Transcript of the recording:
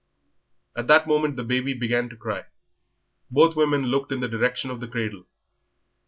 At that moment the baby began to cry; both women looked in the direction of the cradle.